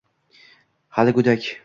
Hali go’dak